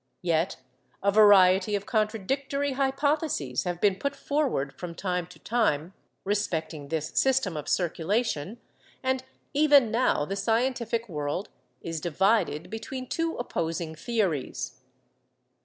Yet a variety of contradictory hypotheses have been put forward from time to time respecting this system of circulation, and even now the scientific world is divided between two opposing theories.